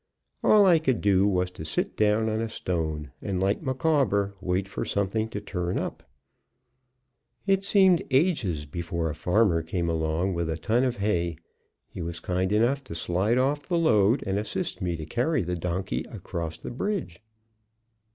All I could do was to sit down on a stone and, like Macawber, wait for something to turn up. It seemed ages before a farmer came along with a ton of hay; he was kind enough to slide off the load and assist me to carry the donkey across the bridge.